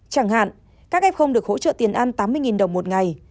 chẳng hạn các f được hỗ trợ tiền ăn tám mươi đồng một ngày